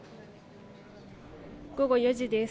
午後４時です。